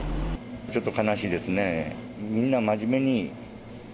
ちょっと悲しいですね。